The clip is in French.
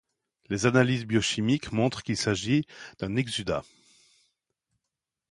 Les analyses biochimiques montrent qu'il s'agit d'un exsudat.